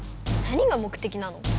何が目的なの？